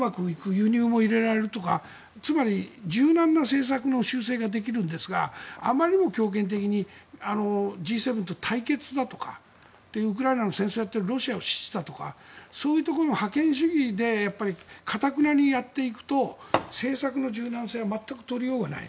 輸入も入れられるとかつまり、柔軟な政策の修正ができるんですがあまりにも強権的にＧ７と対決だとかウクライナの戦争をやっているロシアを支持だとかそういうところを覇権主義で頑なにやっていくと政策の柔軟性は全く取りようがない。